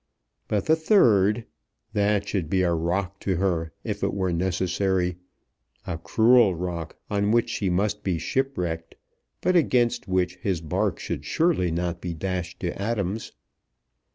But the third, that should be a rock to her if it were necessary; a cruel rock on which she must be shipwrecked, but against which his bark should surely not be dashed to atoms.